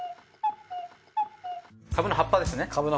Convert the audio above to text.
カブの葉っぱですね。